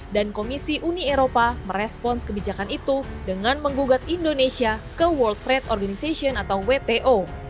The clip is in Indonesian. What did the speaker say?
dan komisi uni eropa merespons kebijakan itu dengan menggugat indonesia ke world trade organization atau wto